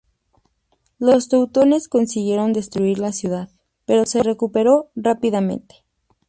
Los teutones consiguieron destruir la ciudad, pero se recuperó rápidamente.